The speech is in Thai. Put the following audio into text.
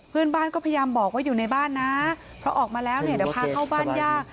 เพื่อนบ้านก็พยายามบอกว่าอยู่ในบ้านนะเพราะออกมาแล้วเนี่ยเดี๋ยวพาเข้าบ้านยาก